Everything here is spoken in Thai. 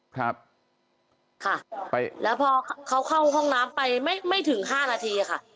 ครับค่ะไปแล้วพอเขาเข้าห้องน้ำไปไม่ไม่ถึงห้านาทีค่ะ